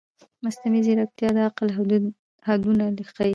مصنوعي ځیرکتیا د عقل حدونه ښيي.